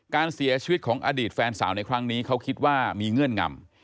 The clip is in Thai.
การเสียชีวิตของอดีตแฟนสาวในครั้งนี้เขาคิดว่ามีเงื่อนงำ